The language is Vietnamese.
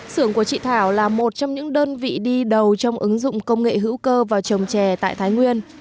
sưởng của chị thảo là một trong những đơn vị đi đầu trong ứng dụng công nghệ hữu cơ vào trồng trè tại thái nguyên